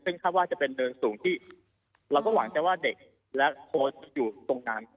ซึ่งคาดว่าจะเป็นเนินสูงที่เราก็หวังจะว่าเด็กและโค้ชอยู่ตรงนั้น